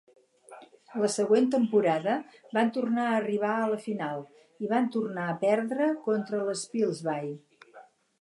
La següent temporada van tornar a arribar a la final, i van tornar a perdre contra l'Spilsby.